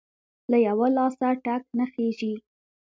له يوه لاسه ټک نه خیژي!.